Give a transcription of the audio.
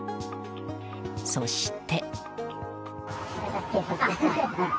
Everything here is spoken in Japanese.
そして。